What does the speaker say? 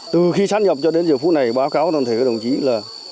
từ khi sát nhập cho đến giờ phút này báo cáo đoàn thể đồng chí là